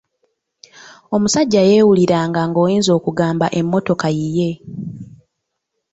Omusajja yeewuliranga ng'oyinza okugamba emmotoka yiye.